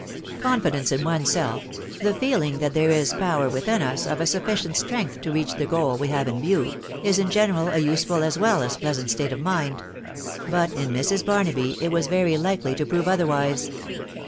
Confidence in one's self,— the feeling that there is a power within us of sufficient strength to reach the goal we have in view, — is in general a useful as well as a pleasant state of mind ; but in Mrs. Barnaby it was very likely to prove otherwise.